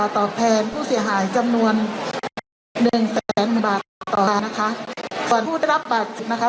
ตอบแทนผู้เสียหายจำนวนหนึ่งแสนบาทต่อมานะคะส่วนผู้ได้รับบัตรนะคะ